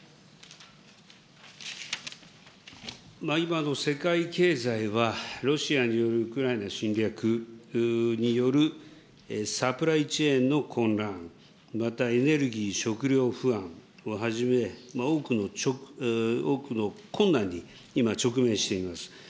今、世界経済は、ロシアによるウクライナへの侵略によるサプライチェーンの混乱、またエネルギー、食料不安をはじめ、多くの困難に今、直面しています。